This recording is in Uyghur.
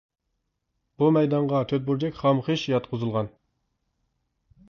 بۇ مەيدانغا تۆت بۇرجەك خام قىش ياتقۇزۇلغان.